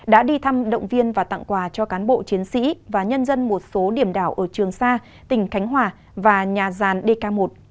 đã đi thăm động viên và tặng quà cho cán bộ chiến sĩ và nhân dân một số điểm đảo ở trường sa tỉnh khánh hòa và nhà gian dk một